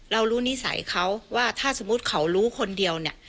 เรารู้นิสัยเขาว่าถ้าสมมุติเขารู้คนเดียวเนี่ย